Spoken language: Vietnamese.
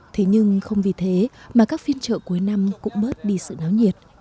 thế nhưng không vì thế mà các phiên chợ cuối năm cũng bớt đi sự náo nhiệt